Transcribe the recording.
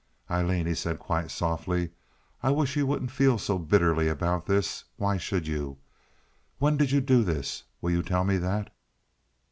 "Aileen," he said, quite softly, "I wish you wouldn't feel so bitterly about this. Why should you? When did you do this? Will you tell me that?"